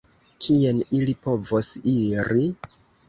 Kien ili povos iri?